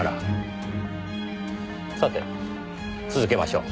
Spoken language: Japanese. さて続けましょう。